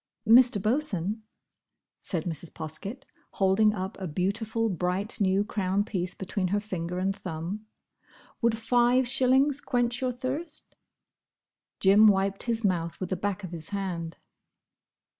"Mr. Bosun," said Mrs. Poskett, holding up a beautiful, bright new crown piece between her finger and thumb, "would five shillings quench your thirst?" Jim wiped his mouth with the back of his hand.